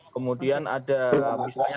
kemudian ada misalnya